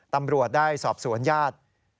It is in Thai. ตำรวจได้สอบสวนญาติ